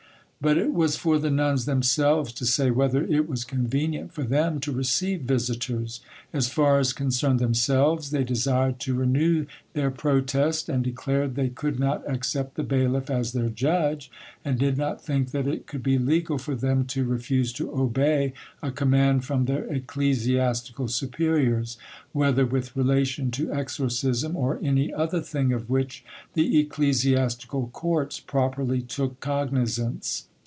But it was for the nuns themselves to say whether it was convenient for them to receive visitors; as far as concerned themselves, they desired to renew their protest, and declared they could not accept the bailiff as their judge, and did not think that it could be legal for them to refuse to obey a command from their ecclesiastical superiors, whether with relation to exorcism or any other thing of which the ecclesiastical courts properly took cognisance.